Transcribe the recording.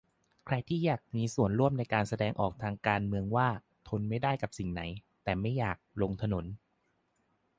ใครที่อยากมีส่วนร่วมในการแสดงออกทางการเมืองว่า ทนไม่ได้กับสิ่งไหน แต่ไม่อยาก "ลงถนน"